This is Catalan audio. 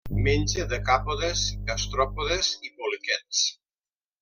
Menja decàpodes, gastròpodes i poliquets.